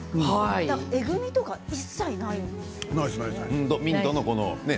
えぐみとか一切ないですね。